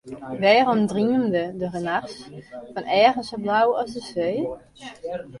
Wêrom dreamde er nachts fan eagen sa blau as de see?